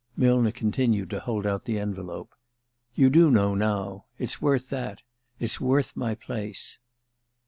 Millner continued to hold out the envelope. "You do know, now. It's worth that. It's worth my place."